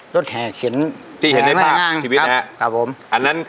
รถแห่เข็นแห่มไหน้ง